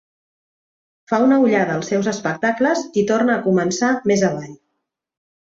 Fa una ullada als seus espectacles i torna a començar més avall.